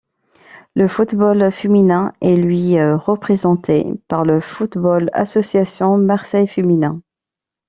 Le football féminin est lui représenté par le Football Association Marseille Féminin.